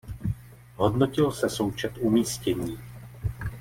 Hodnotil se součet umístění.